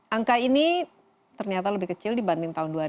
angka ini ternyata lebih kecil dibanding tahun dua ribu dua